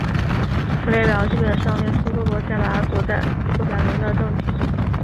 此列表基本上列出各国宪法所表明的政体。